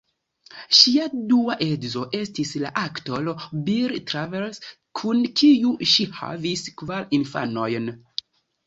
Ŝia dua edzo estis la aktoro Bill Travers, kun kiu ŝi havis kvar infanojn.